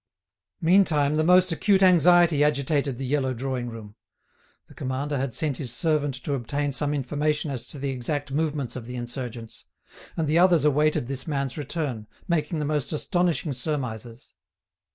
Meantime, the most acute anxiety agitated the yellow drawing room. The commander had sent his servant to obtain some information as to the exact movements of the insurgents, and the others awaited this man's return, making the most astonishing surmises.